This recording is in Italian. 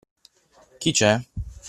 Chi c'è?